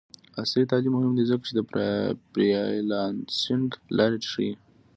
عصري تعلیم مهم دی ځکه چې د فریلانسینګ لارې ښيي.